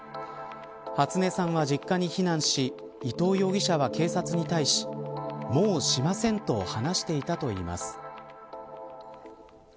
初音さんは実家に避難し伊藤容疑者は警察に対しもうしませんと話していたといいます。